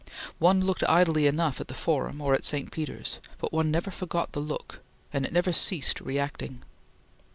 One looked idly enough at the Forum or at St. Peter's, but one never forgot the look, and it never ceased reacting.